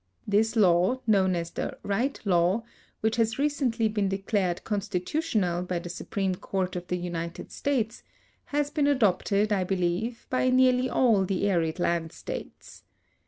This law, known as the Wright law, which has recently been declared con stitutional by the Supreme Court of the United States, has been adopted, I believe, by nearh^ all the arid land states.